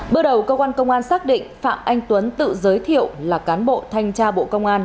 bước đầu cơ quan công an xác định phạm anh tuấn tự giới thiệu là cán bộ thanh tra bộ công an